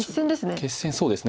決戦そうですね。